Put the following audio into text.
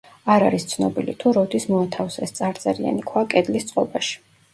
არ არის ცნობილი, თუ როდის მოათავსეს წარწერიანი ქვა კედლის წყობაში.